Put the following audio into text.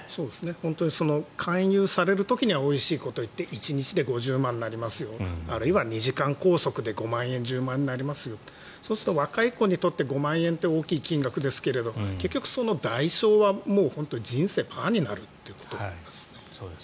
勧誘される時にはおいしいことを言って１日で５０万円になりますよあるいは２時間拘束で５万円、１０万円になりますよそうすると若い子にとって５万円って大きい金額ですが結局代償は、人生パーになるということですね。